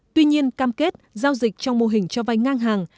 tuy nhiên cam kết giao dịch trong mô hình cho vay ngang hàng